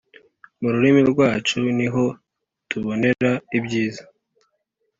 mu rurimi rwacu, niho tubonera ibyiza